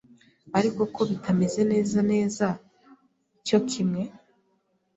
ariko ko bitameze neza neza cyo kimwe